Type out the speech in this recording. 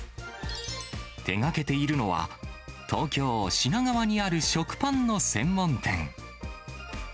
手がけているのは、東京・品川にある食パンの専門店。